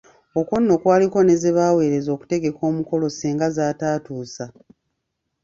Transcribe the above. Okwo nno kwaliko ne ze baaweereza okutegeka omukolo senga z'ataatuusa.